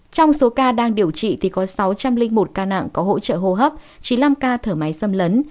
trong số ca đang điều trị thì có sáu trăm linh một ca nặng có hỗ trợ hô hấp chín mươi năm ca thở máy xâm lấn